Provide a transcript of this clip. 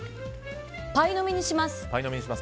パイの実にします！